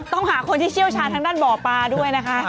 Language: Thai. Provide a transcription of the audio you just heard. หาคนที่เชี่ยวชาญทางด้านบ่อปลาด้วยนะคะ